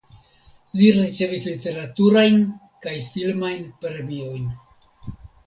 Li ricevis literaturajn kaj filmajn premiojn.